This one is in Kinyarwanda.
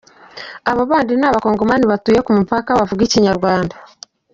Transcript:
Abo bandi ni abakongomani batuye ku mupaka bavuga ikinyarwanda.